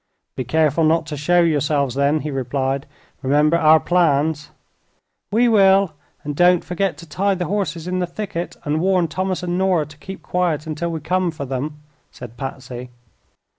"Be careful not to show yourselves, then," he replied. "Remember our plans." "We will. And don't forget to tie the horses in the thicket, and warn Thomas and Nora to keep quiet until we come for them," said Patsy.